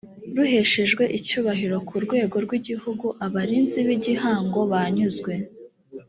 ruhesheje icyubahiro ku rwego rw igihugu abarinzi b igihango banyuzwe